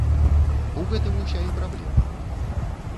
У гэтым ўся і праблема!